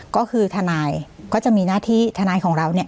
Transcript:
ก็คือทนายก็จะมีหน้าที่ทนายของเราเนี่ย